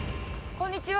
こんにちは。